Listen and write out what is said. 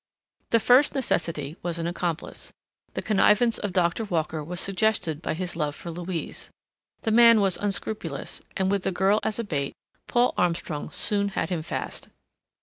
The first necessity was an accomplice. The connivance of Doctor Walker was suggested by his love for Louise. The man was unscrupulous, and with the girl as a bait, Paul Armstrong soon had him fast.